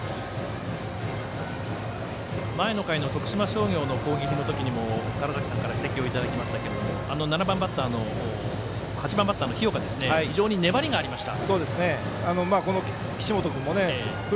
前の回の徳島商業の攻撃の時にも川原崎さんから指摘をいただきましたけれども８番バッターの日岡が非常に粘りがありました。